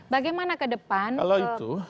bagaimana kedepan kalau itu